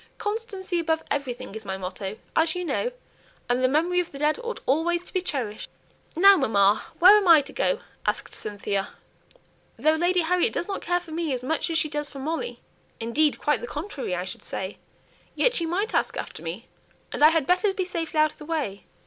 'Constancy above everything' is my motto, as you know, and the memory of the dead ought always to be cherished." "Now, mamma, where am I to go?" asked Cynthia. "Though Lady Harriet doesn't care for me as much as she does for Molly indeed, quite the contrary I should say yet she might ask after me, and I had better be safely out of the way."